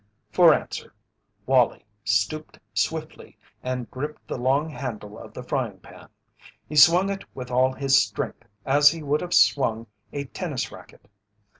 For answer Wallie stooped swiftly and gripped the long handle of the frying pan. He swung it with all his strength as he would have swung a tennis racket.